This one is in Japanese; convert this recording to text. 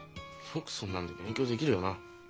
よくそんなんで勉強できるよな。